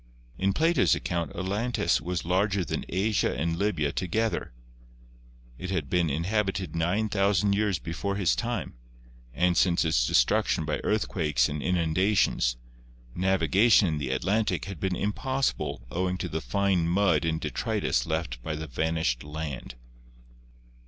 In Plato's account Atlantis was larger than Asia and Libya together. It had been in habited 9,000 years before his time, and since its destruc tion by earthquakes and inundations, navigation in the Atlantic had been impossible owing to the fine mud and detritus left by the vanished land.